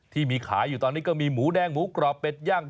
ที่มีขายอยู่ตอนนี้ก็มีหมูแดงหมูกรอบเป็ดย่าง